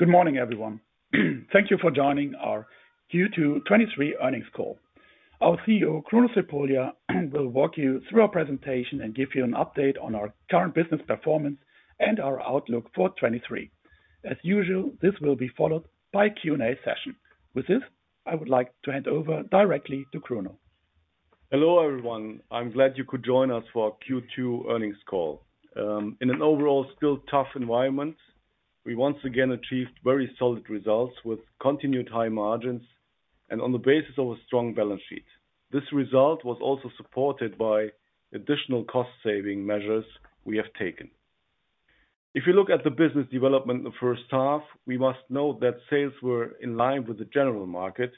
Good morning, everyone. Thank you for joining our Q2 2023 earnings Call. Our CEO, Kruno Crepulja, will walk you through our presentation and give you an update on our current business performance and our outlook for 2023. As usual, this will be followed by a Q&A session. With this, I would like to hand over directly to Kruno. Hello, everyone. I'm glad you could join us for our Q2 earnings call. In an overall still tough environment, we once again achieved very solid results with continued high margins and on the basis of a strong balance sheet. This result was also supported by additional cost-saving measures we have taken. If you look at the business development in the 1st half, we must note that sales were in line with the general market,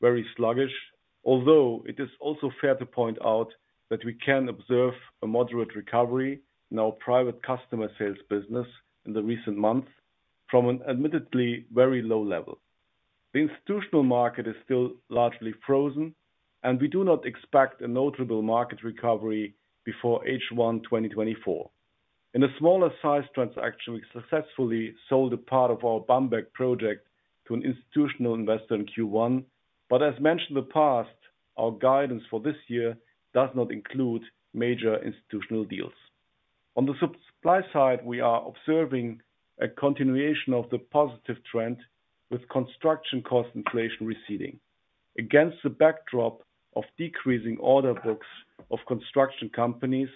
very sluggish, although it is also fair to point out that we can observe a moderate recovery in our private customer sales business in the recent months from an admittedly very low level. The institutional market is still largely frozen, and we do not expect a notable market recovery before H1 2024. In a smaller size transaction, we successfully sold a part of our Bamberg project to an institutional investor in Q1. As mentioned in the past, our guidance for this year does not include major institutional deals. On the supply side, we are observing a continuation of the positive trend with construction cost inflation receding. Against the backdrop of decreasing order books of construction companies,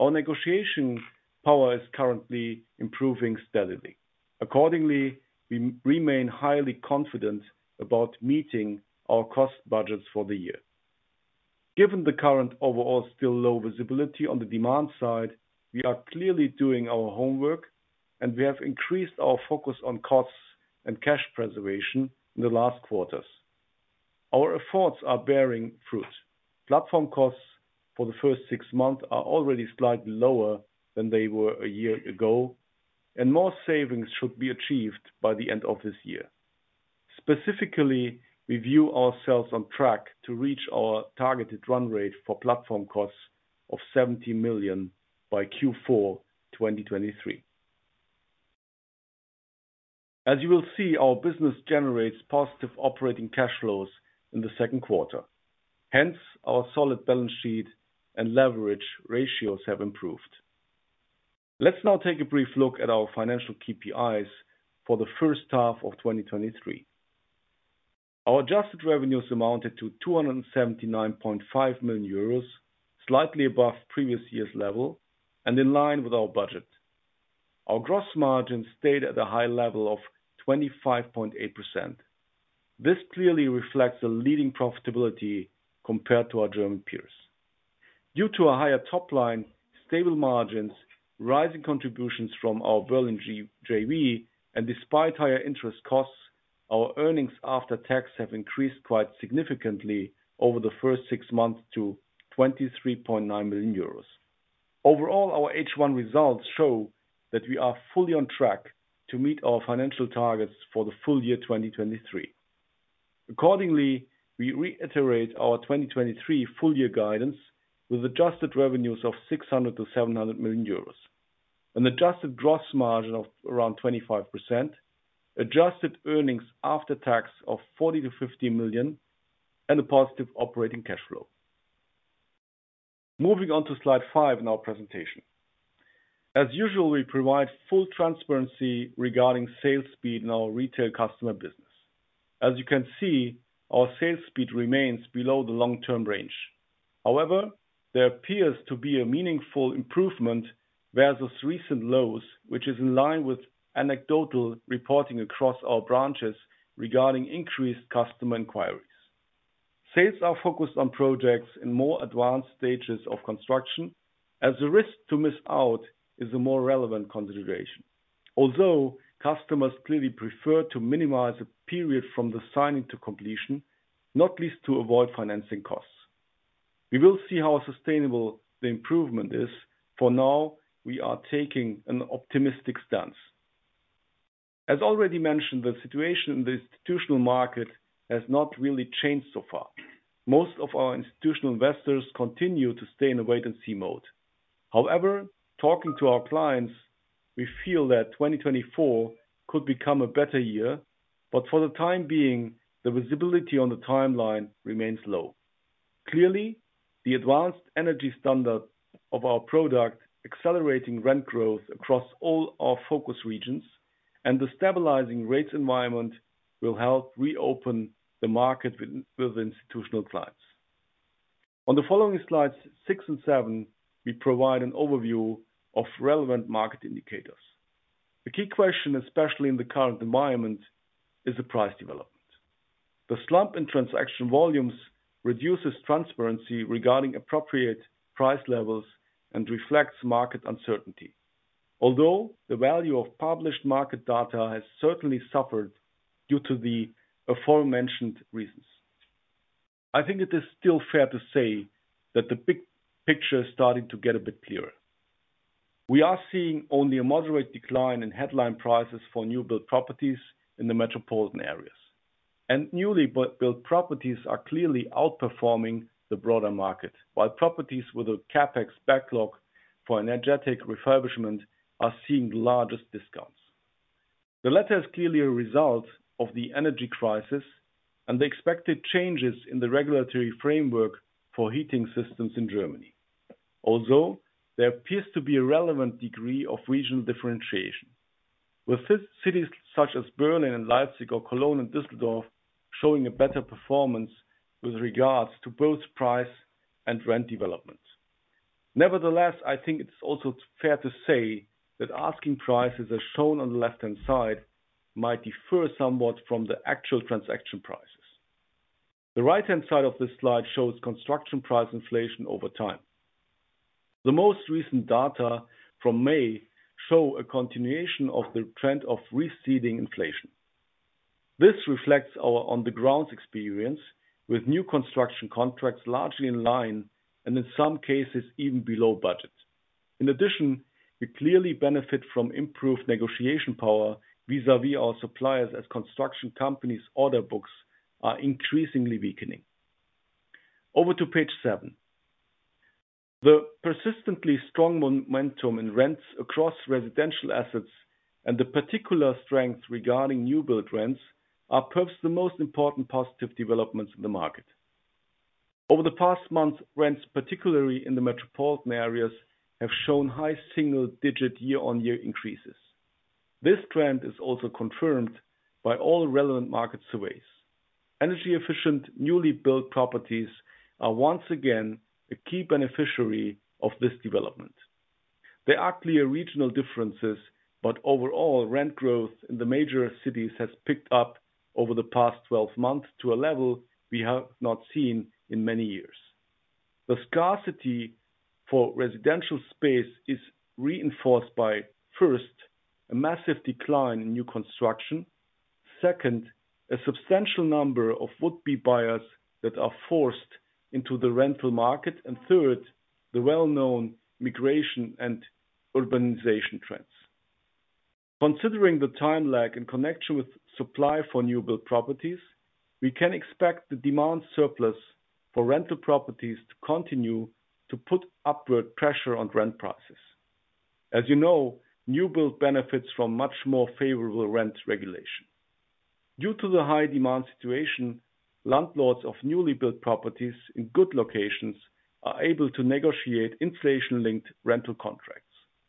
our negotiation power is currently improving steadily. Accordingly, we remain highly confident about meeting our cost budgets for the year. Given the current overall still low visibility on the demand side, we are clearly doing our homework, and we have increased our focus on costs and cash preservation in the last quarters. Our efforts are bearing fruit. Platform costs for the 1st six months are already slightly lower than they were a year ago, and more savings should be achieved by the end of this year. Specifically, we view ourselves on track to reach our targeted run rate for platform costs of 70 million by Q4, 2023. As you will see, our business generates positive operating cash flows in the 2nd quarter. Hence, our solid balance sheet and leverage ratios have improved. Let's now take a brief look at our financial KPIs for the 1st half of 2023. Our adjusted revenues amounted to 279.5 million euros, slightly above previous year's level and in line with our budget. Our gross margin stayed at a high level of 25.8%. This clearly reflects a leading profitability compared to our German peers. Due to a higher top line, stable margins, rising contributions from our Berlin JV, and despite higher interest costs, our earnings after tax have increased quite significantly over the 1st six months to 23.9 million euros. Overall, our H1 results show that we are fully on track to meet our financial targets for the full year, 2023. We reiterate our 2023 full year guidance with adjusted revenues of 600 million-700 million euros, an adjusted gross margin of around 25%, adjusted earnings after tax of 40 million-50 million, and a positive operating cash flow. Moving on to slide five in our presentation. As usual, we provide full transparency regarding sales speed in our retail customer business. As you can see, our sales speed remains below the long-term range. However, there appears to be a meaningful improvement versus recent lows, which is in line with anecdotal reporting across our branches regarding increased customer inquiries. Sales are focused on projects in more advanced stages of construction, as the risk to miss out is a more relevant consideration. Although, customers clearly prefer to minimize the period from the signing to completion, not least to avoid financing costs. We will see how sustainable the improvement is. For now, we are taking an optimistic stance. As already mentioned, the situation in the institutional market has not really changed so far. Most of our institutional investors continue to stay in a wait and see mode. However, talking to our clients, we feel that 2024 could become a better year, but for the time being, the visibility on the timeline remains low. Clearly, the advanced energy standard of our product, accelerating rent growth across all our focus regions, and the stabilizing rates environment will help reopen the market with institutional clients. On the following slides, six and seven, we provide an overview of relevant market indicators. The key question, especially in the current environment, is the price development. The slump in transaction volumes reduces transparency regarding appropriate price levels and reflects market uncertainty. The value of published market data has certainly suffered due to the aforementioned reasons, I think it is still fair to say that the big picture is starting to get a bit clearer. We are seeing only a moderate decline in headline prices for new build properties in the metropolitan areas. Newly built properties are clearly outperforming the broader market, while properties with a CapEx backlog for energetic refurbishment are seeing the largest discounts. The latter is clearly a result of the energy crisis and the expected changes in the regulatory framework for heating systems in Germany. Although, there appears to be a relevant degree of regional differentiation, with cities such as Berlin and Leipzig or Cologne and Dusseldorf, showing a better performance with regards to both price and rent development. Nevertheless, I think it's also fair to say that asking prices, as shown on the left-hand side, might differ somewhat from the actual transaction prices. The right-hand side of this slide shows construction price inflation over time. The most recent data from May show a continuation of the trend of receding inflation. This reflects our on-the-ground experience with new construction contracts largely in line, and in some cases, even below budget. In addition, we clearly benefit from improved negotiation power vis-a-vis our suppliers, as construction companies' order books are increasingly weakening. Over to page seven. The persistently strong momentum in rents across residential assets and the particular strength regarding new build rents, are perhaps the most important positive developments in the market. Over the past month, rents, particularly in the metropolitan areas, have shown high single digit year-on-year increases. This trend is also confirmed by all relevant market surveys. Energy efficient, newly built properties are once again a key beneficiary of this development. There are clear regional differences, but overall, rent growth in the major cities has picked up over the past 12 months to a level we have not seen in many years. The scarcity for residential space is reinforced by, 1st, a massive decline in new construction. 2nd, a substantial number of would-be buyers that are forced into the rental market. 3rd, the well-known migration and urbanization trends. Considering the time lag in connection with supply for new build properties, we can expect the demand surplus for rental properties to continue to put upward pressure on rent prices. As you know, new build benefits from much more favorable rent regulation. Due to the high demand situation, landlords of newly built properties in good locations are able to negotiate inflation-linked rental contracts.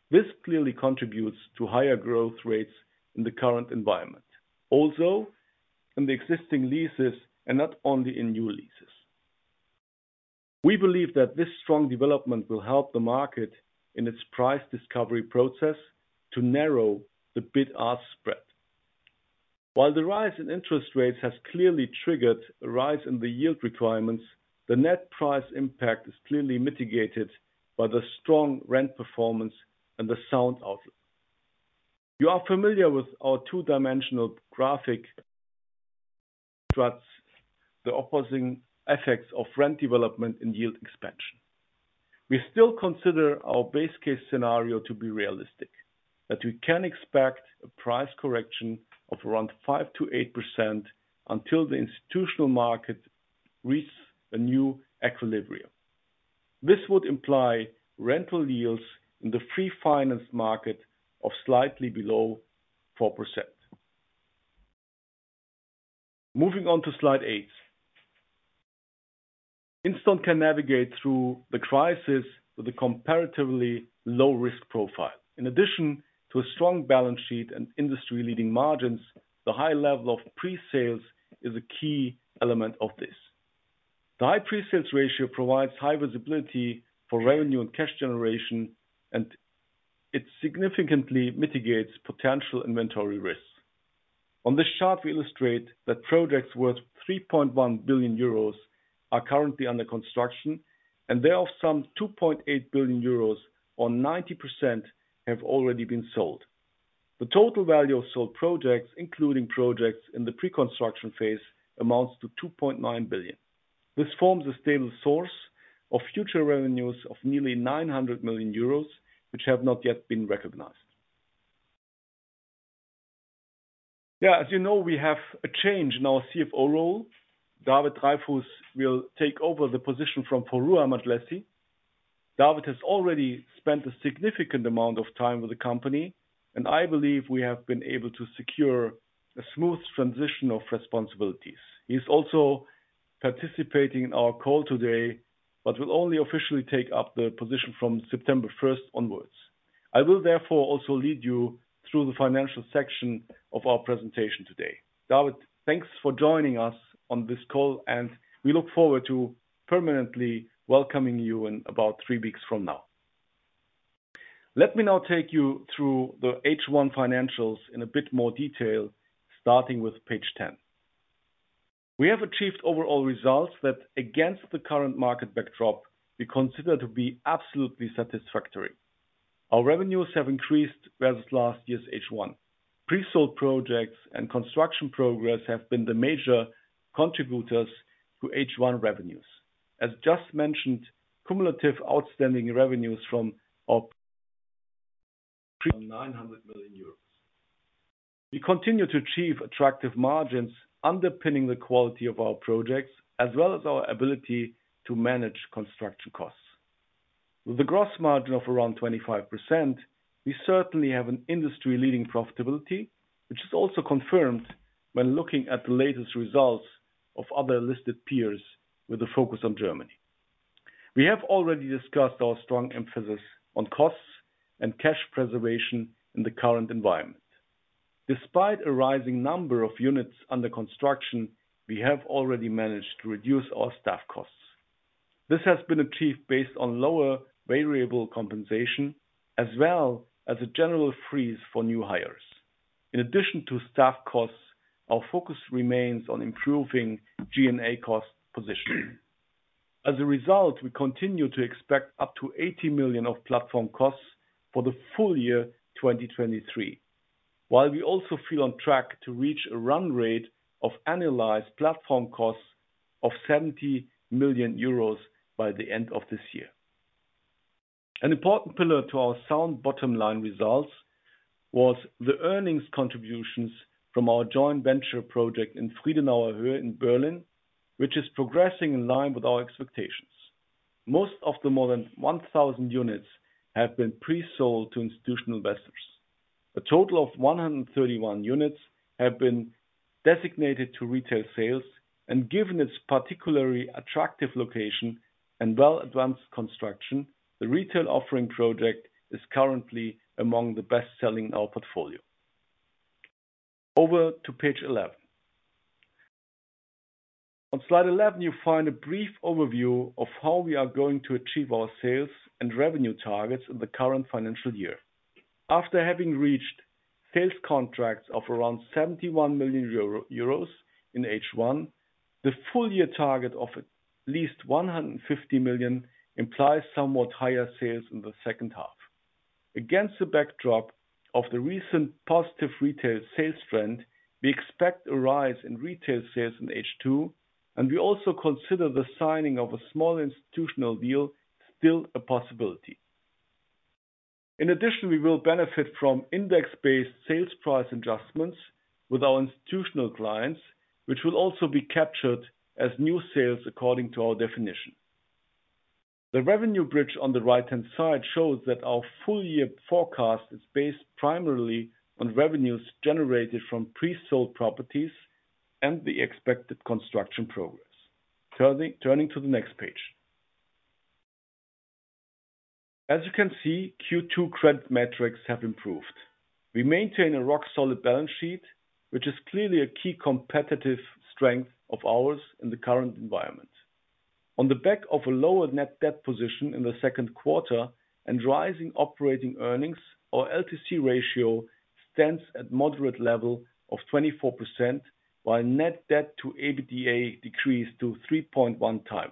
This clearly contributes to higher growth rates in the current environment, also in the existing leases and not only in new leases. We believe that this strong development will help the market in its price discovery process to narrow the bid-ask spread. While the rise in interest rates has clearly triggered a rise in the yield requirements, the net price impact is clearly mitigated by the strong rent performance and the sound outlet. You are familiar with our two-dimensional graphic, contrasts the opposing effects of rent development and yield expansion. We still consider our base case scenario to be realistic, that we can expect a price correction of around 5%-8% until the institutional market reaches a new equilibrium. This would imply rental yields in the free finance market of slightly below 4%. Moving on to slide eight. Instone can navigate through the crisis with a comparatively low risk profile. In addition to a strong balance sheet and industry-leading margins, the high level of pre-sales is a key element of this. The high pre-sales ratio provides high visibility for revenue and cash generation, and it significantly mitigates potential inventory risks. On this chart, we illustrate that projects worth 3.1 billion euros are currently under construction, and there are some 2.8 billion euros, or 90%, have already been sold. The total value of sold projects, including projects in the pre-construction phase, amounts to 2.9 billion. This forms a stable source of future revenues of nearly 900 million euros, which have not yet been recognized. As you know, we have a change in our CFO role. David Dreyfus will take over the position from Foruhar Madjlessi. David has already spent a significant amount of time with the company, and I believe we have been able to secure a smooth transition of responsibilities. He's also participating in our call today, but will only officially take up the position from September 1st onwards. I will therefore also lead you through the financial section of our presentation today. David, thanks for joining us on this call, and we look forward to permanently welcoming you in about three weeks from now. Let me now take you through the H1 financials in a bit more detail, starting with page 10. We have achieved overall results that against the current market backdrop, we consider to be absolutely satisfactory. Our revenues have increased versus last year's H1. Pre-sold projects and construction progress have been the major contributors to H1 revenues. As just mentioned, cumulative outstanding revenues from our-... 900 million euros. We continue to achieve attractive margins underpinning the quality of our projects, as well as our ability to manage construction costs. With a gross margin of around 25%, we certainly have an industry-leading profitability, which is also confirmed when looking at the latest results of other listed peers with a focus on Germany. We have already discussed our strong emphasis on costs and cash preservation in the current environment. Despite a rising number of units under construction, we have already managed to reduce our staff costs. This has been achieved based on lower variable compensation, as well as a general freeze for new hires. In addition to staff costs, our focus remains on improving G&A cost position. As a result, we continue to expect up to 80 million of platform costs for the full year 2023. While we also feel on track to reach a run rate of annualized platform costs of 70 million euros by the end of this year. An important pillar to our sound bottom line results was the earnings contributions from our joint venture project in Friedenauer Höhe in Berlin, which is progressing in line with our expectations. Most of the more than 1,000 units have been pre-sold to institutional investors. A total of 131 units have been designated to retail sales, and given its particularly attractive location and well advanced construction, the retail offering project is currently among the best-selling in our portfolio. Over to page 11. On slide 11, you find a brief overview of how we are going to achieve our sales and revenue targets in the current financial year. After having reached sales contracts of around 71 million euros in H1, the full year target of at least 150 million implies somewhat higher sales in the 2nd half. Against the backdrop of the recent positive retail sales trend, we expect a rise in retail sales in H2, and we also consider the signing of a small institutional deal still a possibility. In addition, we will benefit from index-based sales price adjustments with our institutional clients, which will also be captured as new sales according to our definition. The revenue bridge on the right-hand side shows that our full year forecast is based primarily on revenues generated from pre-sold properties and the expected construction progress. Turning to the next page. As you can see, Q2 credit metrics have improved. We maintain a rock-solid balance sheet, which is clearly a key competitive strength of ours in the current environment. On the back of a lower net debt position in the 2nd quarter and rising operating earnings, our LTC ratio stands at moderate level of 24%, while Net Debt to EBITDA decreased to 3.1x.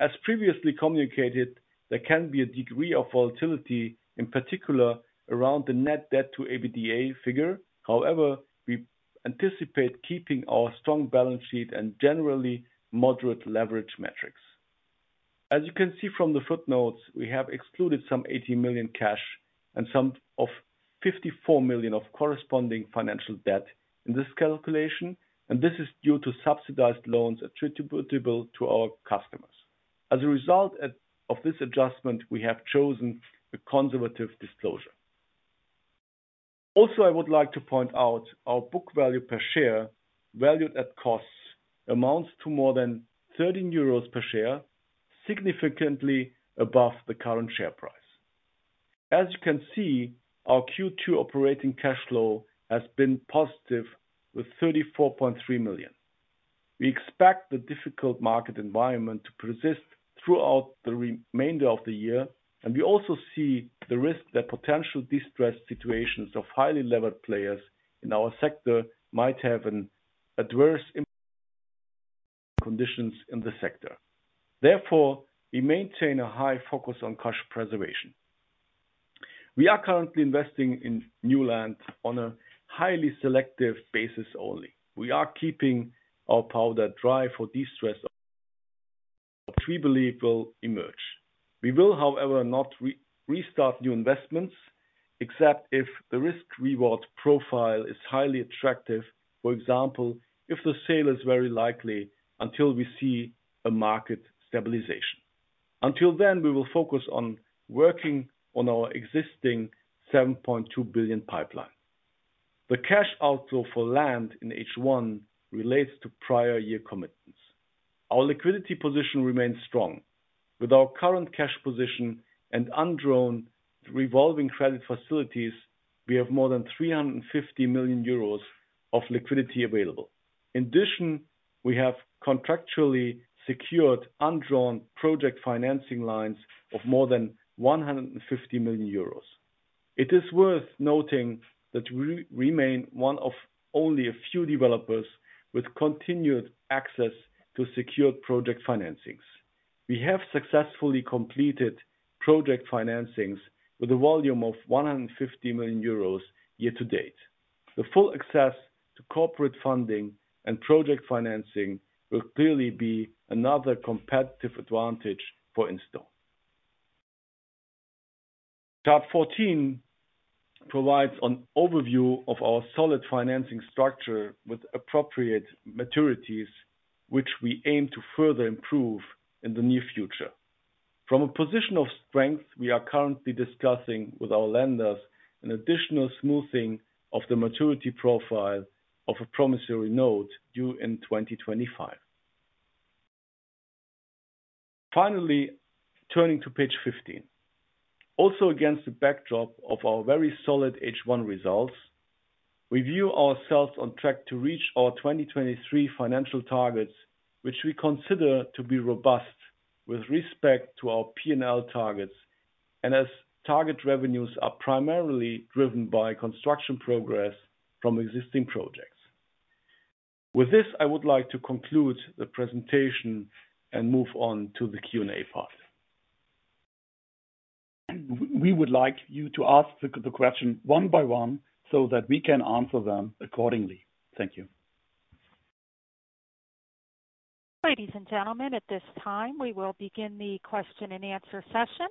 As previously communicated, there can be a degree of volatility, in particular, around the Net Debt to EBITDA figure. However, we anticipate keeping our strong balance sheet and generally moderate leverage metrics. As you can see from the footnotes, we have excluded some 80 million cash and some of 54 million of corresponding financial debt in this calculation. This is due to subsidized loans attributable to our customers. As a result of this adjustment, we have chosen a conservative disclosure. I would like to point out our book value per share, valued at costs, amounts to more than 13 euros per share, significantly above the current share price. As you can see, our Q2 operating cash flow has been positive with 34.3 million. We expect the difficult market environment to persist throughout the remainder of the year, we also see the risk that potential distressed situations of highly levered players in our sector might have an adverse impact conditions in the sector. Therefore, we maintain a high focus on cash preservation. We are currently investing in new land on a highly selective basis only. We are keeping our powder dry for distress- we believe will emerge. We will, however, not re-restart new investments, except if the risk/reward profile is highly attractive. For example, if the sale is very likely until we see a market stabilization. Until then, we will focus on working on our existing 7.2 billion pipeline. The cash outflow for land in H1 relates to prior year commitments. Our liquidity position remains strong. With our current cash position and undrawn revolving credit facilities, we have more than 350 million euros of liquidity available. In addition, we have contractually secured undrawn project financing lines of more than 150 million euros. It is worth noting that we remain one of only a few developers with continued access to secured project financings. We have successfully completed project financings with a volume of 150 million euros year to date. The full access corporate funding and project financing will clearly be another competitive advantage for Instone. Chart 14 provides an overview of our solid financing structure with appropriate maturities, which we aim to further improve in the near future. From a position of strength, we are currently discussing with our lenders an additional smoothing of the maturity profile of a promissory note due in 2025. Turning to page 15. Against the backdrop of our very solid H1 results, we view ourselves on track to reach our 2023 financial targets, which we consider to be robust with respect to our P&L targets, and as target revenues are primarily driven by construction progress from existing projects. With this, I would like to conclude the presentation and move on to the Q&A part. We would like you to ask the question one by one so that we can answer them accordingly. Thank you. Ladies and gentlemen, at this time, we will begin the question and answer session.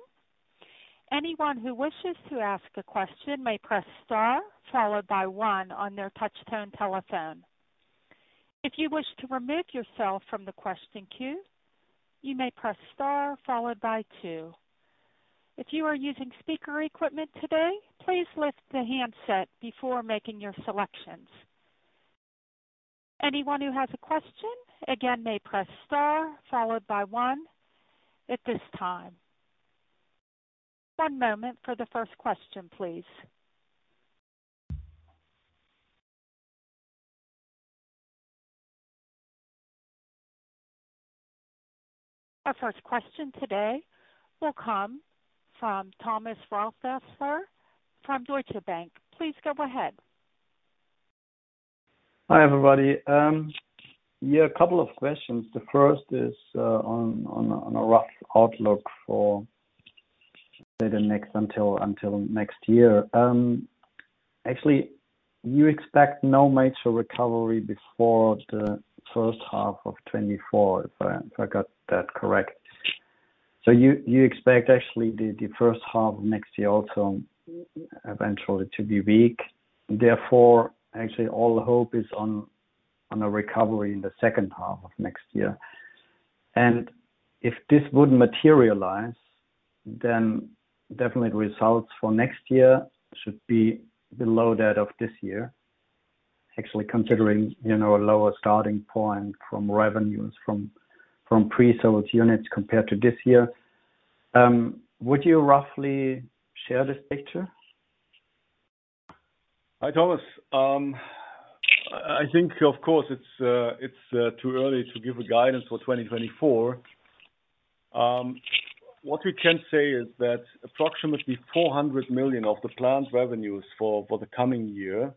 Anyone who wishes to ask a question may press star, followed by one on their touchtone telephone. If you wish to remove yourself from the question queue, you may press star followed by two. If you are using speaker equipment today, please lift the handset before making your selections. Anyone who has a question, again, may press star followed by one at this time. One moment for the 1st question, please. Our 1st question today will come from Thomas Rothäusler from Deutsche Bank. Please go ahead. Hi, everybody. Yeah, a couple of questions. The 1st is on a rough outlook for say, the next until next year. Actually, you expect no major recovery before the 1st half of 2024, if I got that correct. You expect actually the 1st half of next year also eventually to be weak. Actually, all the hope is on a recovery in the 2nd half of next year. If this would materialize, definitely the results for next year should be below that of this year. Actually, considering, you know, a lower starting point from revenues from pre-sold units compared to this year, would you roughly share this picture? Hi, Thomas. I think of course it's, it's, too early to give a guidance for 2024. What we can say is that approximately 400 million of the planned revenues for, for the coming year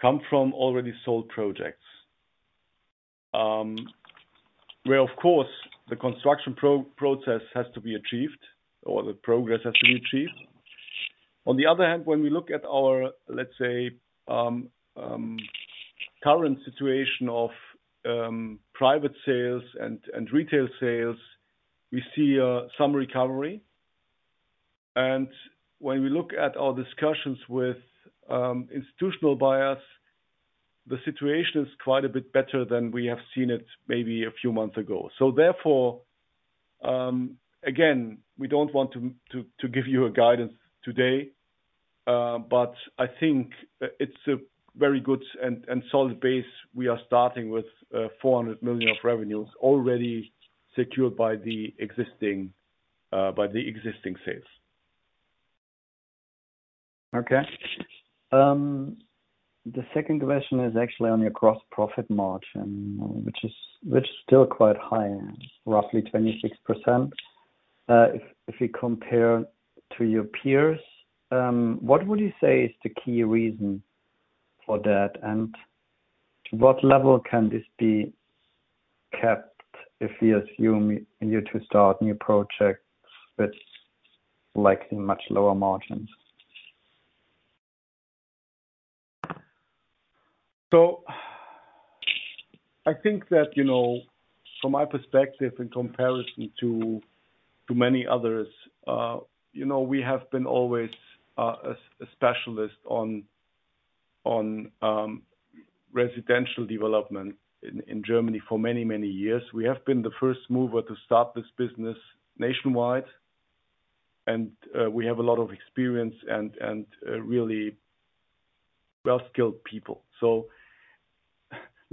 come from already sold projects. Where, of course, the construction process has to be achieved or the progress has to be achieved. On the other hand, when we look at our, let's say, current situation of, private sales and, and retail sales, we see some recovery. When we look at our discussions with, institutional buyers, the situation is quite a bit better than we have seen it maybe a few months ago. Therefore, again, we don't want to, to, to give you a guidance today, but I think it's a very good and, and solid base. We are starting with, 400 million of revenues already secured by the existing, by the existing sales. Okay. The 2nd question is actually on your gross profit margin, which is, which is still quite high, roughly 26%. If, if you compare to your peers, what would you say is the key reason for that? What level can this be kept if you assume you to start new projects with like, much lower margins? I think that, you know, from my perspective in comparison to, to many others, you know, we have been always, a, a specialist on, on, residential development in Germany for many, many years. We have been the 1st mover to start this business nationwide, and we have a lot of experience and, and, really well-skilled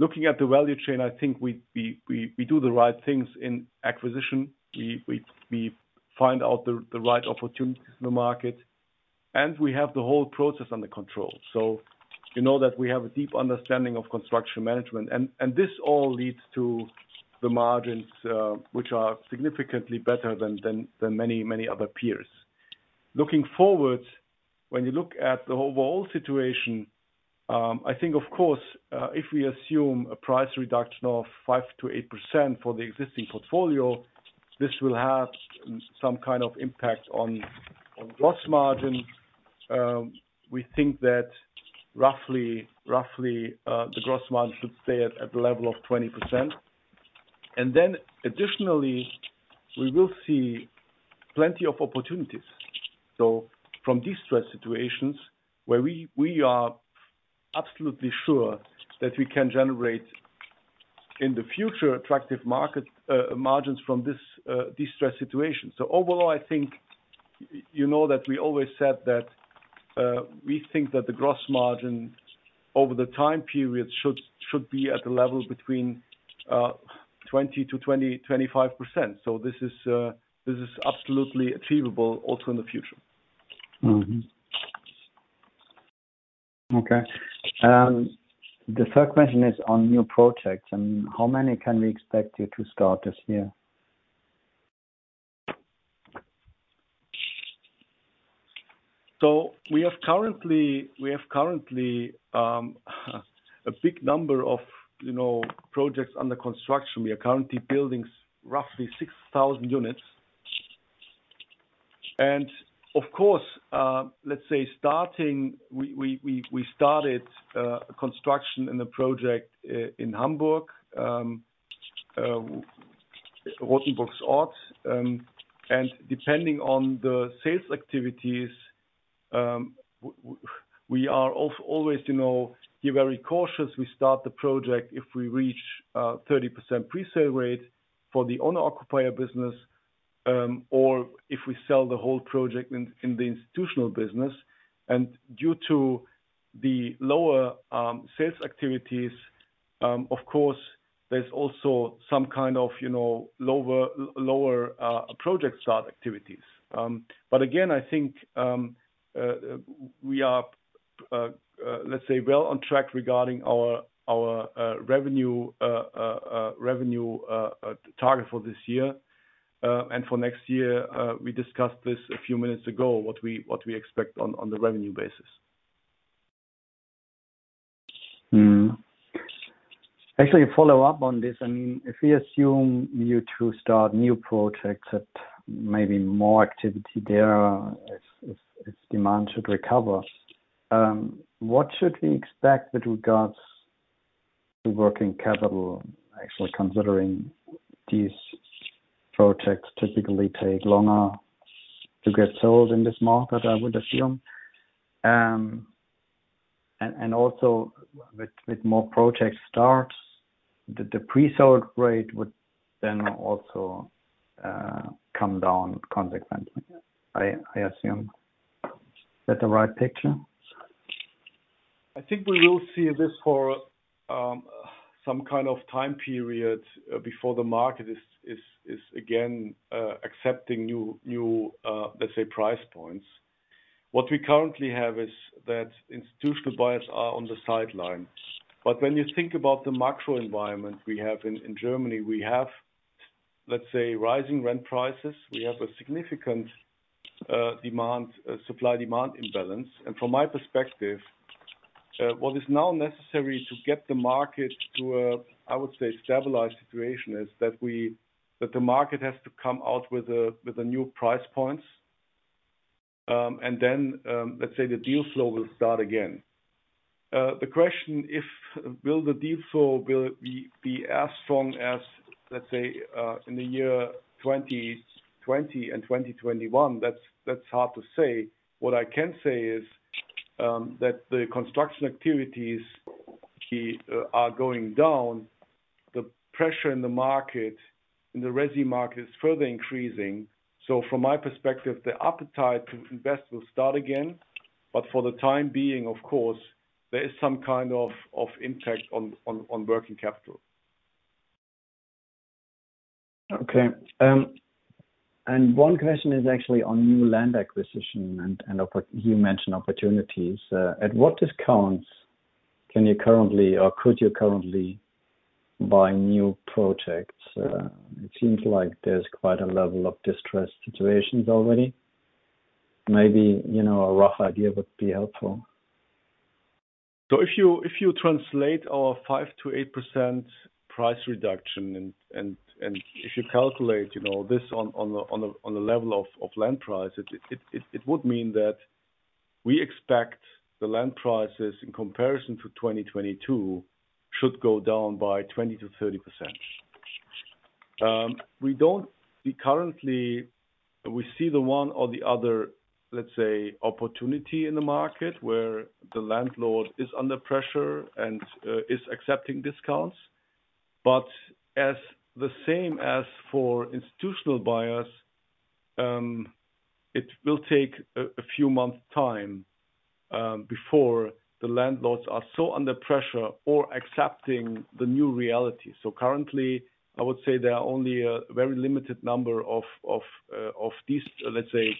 people. Looking at the value chain, I think we, we, we, we do the right things in acquisition. We, we, we find out the, the right opportunities in the market, and we have the whole process under control. You know that we have a deep understanding of construction management, and, and this all leads to the margins, which are significantly better than, than, than many, many other peers. Looking forward, when you look at the overall situation, I think of course, if we assume a price reduction of 5%-8% for the existing portfolio, this will have some kind of impact on gross margin. We think that roughly, roughly, the gross margin should stay at the level of 20%. Additionally, we will see plenty of opportunities. From these stress situations where we, we are absolutely sure that we can generate in the future, attractive market, margins from this, distressed situation. Overall, I think, you know that we always said that, we think that the gross margin over the time period should be at the level between, 20%-25%. This is absolutely achievable also in the future. Okay. The 3rd question is on new projects, and how many can we expect you to start this year? We have currently, a big number of, you know, projects under construction. We are currently building roughly 6,000 units. Of course, let's say starting we started construction in the project in Hamburg, Rothenburgsort. Depending on the sales activities, we are always, you know, be very cautious. We start the project if we reach 30% pre-sale rate for the owner-occupier business, or if we sell the whole project in the institutional business. Due to the lower sales activities, of course, there's also some kind of, you know, lower, lower project start activities. Again, I think, we are, let's say, well on track regarding our, our, revenue, revenue, target for this year. For next year, we discussed this a few minutes ago, what we, what we expect on, on the revenue basis. Mm-hmm. Actually, a follow-up on this. I mean, if we assume you two start new projects that maybe more activity there, if, if, if demand should recover, what should we expect with regards to working capital? Actually, considering these projects typically take longer to get sold in this market, I would assume. Also with, with more project starts, the, the pre-sold rate would then also, come down consequently, I, I assume. Is that the right picture? I think we will see this for some kind of time period before the market is, is, is again accepting new, new, let's say, price points. What we currently have is that institutional buyers are on the sideline. When you think about the macro environment we have in Germany, we have, let's say, rising rent prices. We have a significant demand, supply, demand imbalance. From my perspective, what is now necessary to get the market to a, I would say, stabilized situation, is that that the market has to come out with a, with a new price points. Then, let's say the deal flow will start again. The question, if will the deal flow will be, be as strong as, let's say, in the year 2020 and 2021? That's, that's hard to say. What I can say is, that the construction activities key, are going down, the pressure in the market, in the resi market is further increasing. From my perspective, the appetite to invest will start again, but for the time being, of course, there is some kind of, of impact on, on, on working capital. Okay, one question is actually on new land acquisition, you mentioned opportunities. At what discounts can you currently or could you currently buy new projects? It seems like there's quite a level of distressed situations already. Maybe, you know, a rough idea would be helpful. If you translate our 5%-8% price reduction and if you calculate, you know, this on a level of land price, it would mean that we expect the land prices in comparison to 2022, should go down by 20%-30%. We currently, we see the one or the other, let's say, opportunity in the market, where the landlord is under pressure and is accepting discounts. As the same as for institutional buyers, it will take a few months' time before the landlords are so under pressure or accepting the new reality. Currently, I would say there are only a very limited number of, of these, let's say,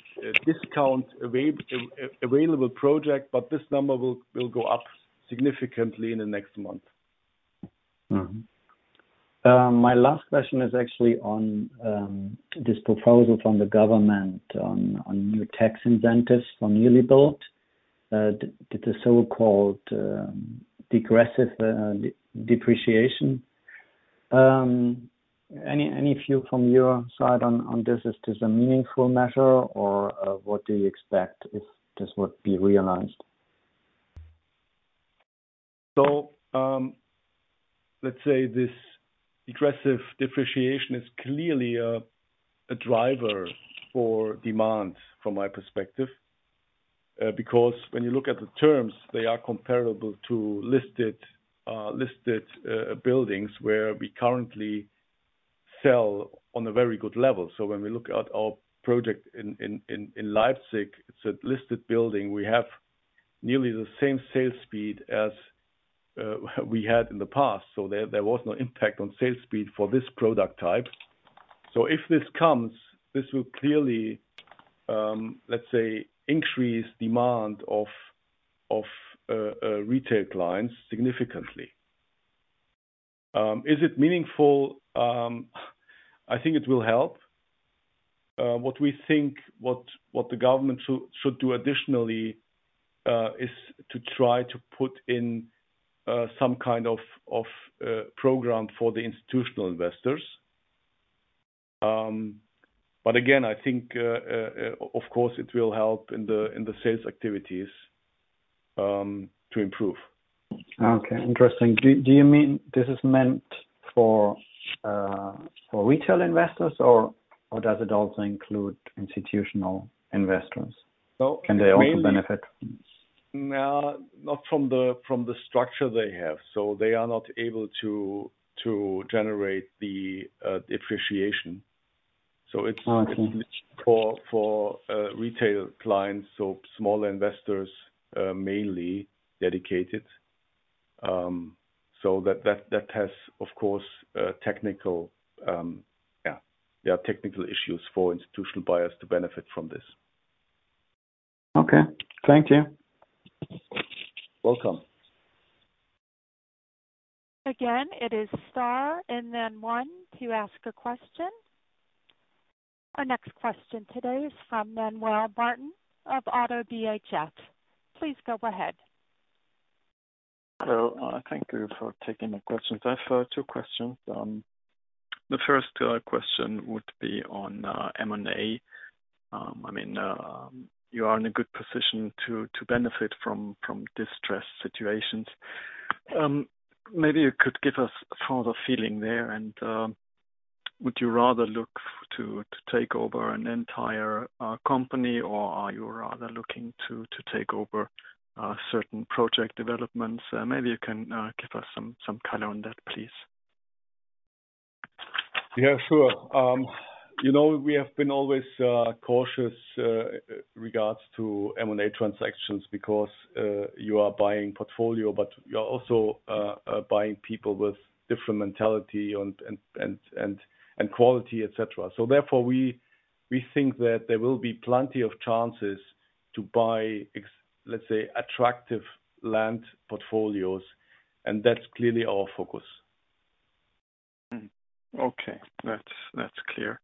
discount available project, this number will go up significantly in the next month. Mm-hmm. My last question is actually on this proposal from the government on new tax incentives for newly built, the so-called degressive depreciation. Any view from your side on this? Is this a meaningful measure, or what do you expect if this would be realized? Let's say this degressive depreciation is clearly a driver for demand from my perspective. Because when you look at the terms, they are comparable to listed buildings where we currently sell on a very good level. When we look at our project in Leipzig, it's a listed building. We have nearly the same sales speed as we had in the past. There was no impact on sales speed for this product type. If this comes, this will clearly, let's say, increase demand of retail clients significantly. Is it meaningful? I think it will help. What we think what the government should do additionally is to try to put in some kind of program for the institutional investors. Again, I think, of course, it will help in the, in the sales activities, to improve. Okay, interesting. Do you mean this is meant for, for retail investors, or, or does it also include institutional investors? So maybe- Can they also benefit? No, not from the, from the structure they have. They are not able to, to generate the depreciation. Oh, okay. It's for, for retail clients, so small investors, mainly dedicated. That, that, that has, of course, a technical, yeah, there are technical issues for institutional buyers to benefit from this. Okay. Thank you. Welcome. Again, it is star and then one to ask a question. Our next question today is from Manuel Martin of ODDO BHF. Please go ahead. Hello, thank you for taking the questions. I have two questions. The 1st question would be on M&A. I mean, you are in a good position to, to benefit from, from distressed situations. Maybe you could give us further feeling there, and would you rather look to, to take over an entire company, or are you rather looking to, to take over certain project developments? Maybe you can give us some color on that, please. Yeah, sure. You know, we have been always cautious regards to M&A transactions because you are buying portfolio, but you are also buying people with different mentality and, and, and, and quality, et cetera. Therefore, we, we think that there will be plenty of chances to buy let's say, attractive land portfolios, and that's clearly our focus. Okay. That's, that's clear.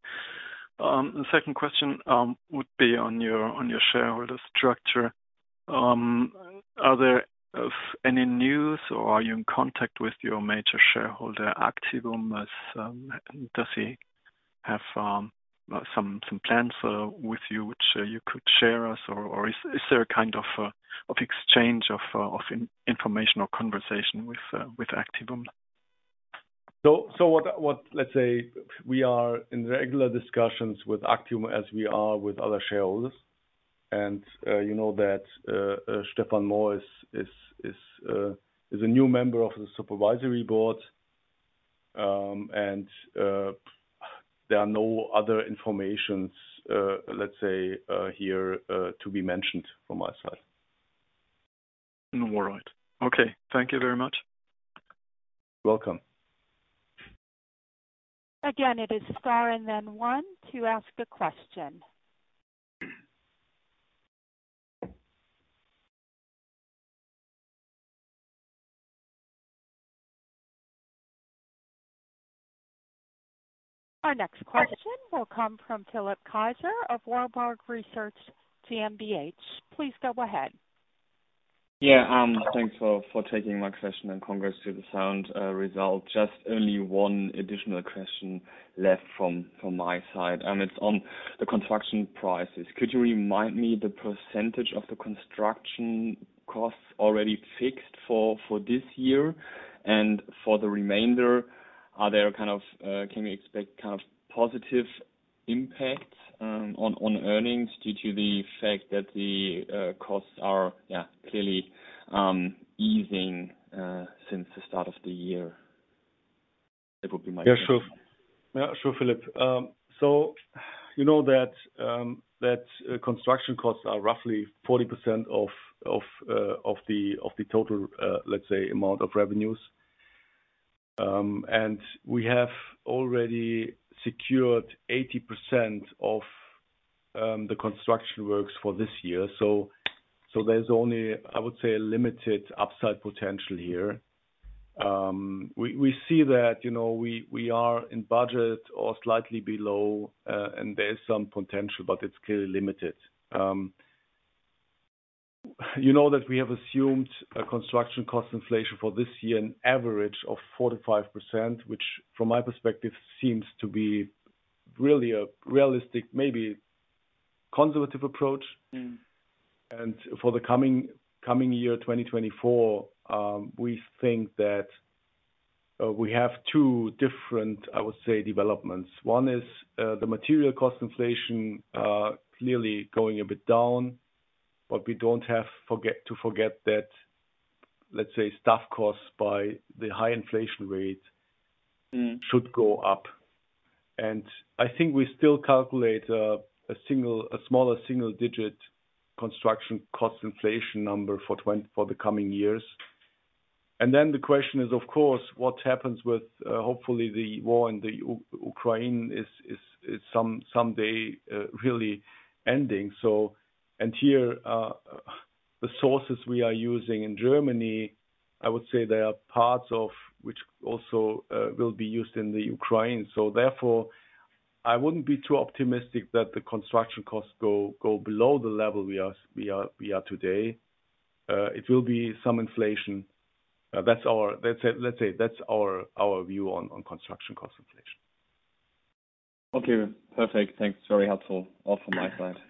The 2nd question would be on your shareholder structure. Are there of any news, or are you in contact with your major shareholder, ActivumSG as does he have some plans with you, which you could share us, or is there a kind of exchange of information or conversation with ActivumSG? What, what... Let's say we are in regular discussions with ActivumSG, as we are with other shareholders. You know, that Stefan Mohr is, is, is a new member of the supervisory board. There are no other information, let's say, here to be mentioned from my side. All right. Okay, thank you very much. Welcome. Again, it is star and then one to ask a question. Our next question will come from Philipp Kaiser of Warburg Research GmbH. Please go ahead. Yeah, thanks for taking my question, and congrats to the sound result. Just only one additional question left from my side, and it's on the construction prices. Could you remind me the percentage of the construction costs already fixed for this year? For the remainder, are there kind of, can we expect kind of positive impact on earnings due to the fact that the costs are clearly easing since the start of the year? Yeah, sure. Yeah, sure, Philip. You know that, that construction costs are roughly 40% of, of, of the, of the total, let's say, amount of revenues. We have already secured 80% of, the construction works for this year. There's only, I would say, a limited upside potential here. We, we see that, you know, we, we are in budget or slightly below, and there is some potential, but it's clearly limited. You know that we have assumed a construction cost inflation for this year, an average of 45%, which, from my perspective, seems to be really a realistic, maybe conservative approach. Mm. For the coming year, 2024, we think that we have two different, I would say, developments. One is the material cost inflation, clearly going a bit down, but we don't have to forget that, let's say, staff costs by the high inflation rate- Mm should go up. I think we still calculate a single, a smaller single-digit construction cost inflation number for the coming years. The question is, of course, what happens with hopefully, the war in the Ukraine someday really ending. Here, the sources we are using in Germany, I would say they are parts of which also will be used in the Ukraine. I wouldn't be too optimistic that the construction costs go below the level we are today. It will be some inflation. That's our view on construction cost inflation. Okay, perfect. Thanks, very helpful. All from my side.